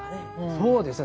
そうですね。